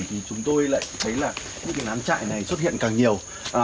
thì chúng tôi lại thấy là những cái nám trại này xuất hiện càng nhiều